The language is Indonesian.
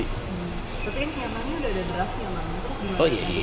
tapi yang keamanan sudah ada draftnya